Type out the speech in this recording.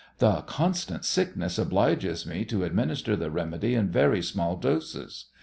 "The constant sickness obliges me to administer the remedy in very small doses.